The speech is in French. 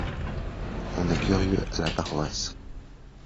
On est curieux à la paroisse.